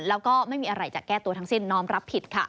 แล้วก็ไม่มีอะไรจะแก้ตัวทั้งสิ้นน้อมรับผิดค่ะ